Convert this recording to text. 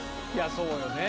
そうよね。